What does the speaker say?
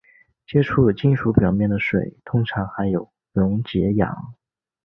接触金属表面的水通常含有溶解氧。